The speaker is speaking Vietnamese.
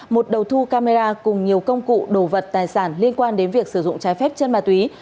một đầu thu camera cùng nhiều công cụ đồ vật tài sản liên quan đến việc sử dụng trái phép chân ma túy